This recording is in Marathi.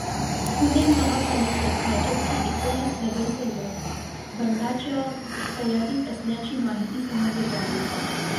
पुणे महापालिकेतील भाजपचे एकोणीस नगरसेवक बंडाच्या तयारीत असल्याची माहिती समोर येत आहे.